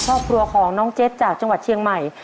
ครอบครัวของน้องเจ็ดจากจังหวัดเชียงใหม่